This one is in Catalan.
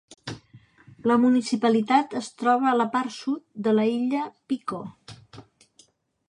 La municipalitat es troba a la part sud de la illa Pico.